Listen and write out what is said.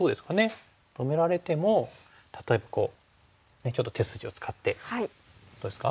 止められても例えばこうちょっと手筋を使ってどうですか？